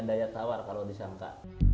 daya tawar kalau disangka